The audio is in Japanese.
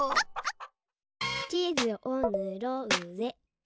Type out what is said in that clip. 「ちずをぬろーぜ」